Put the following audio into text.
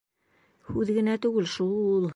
Һүҙ генә түгел шул.